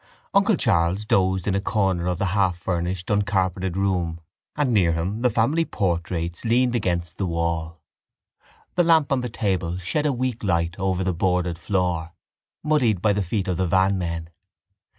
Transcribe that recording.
Uncle Charles dozed in a corner of the half furnished uncarpeted room and near him the family portraits leaned against the wall. The lamp on the table shed a weak light over the boarded floor, muddied by the feet of the vanmen.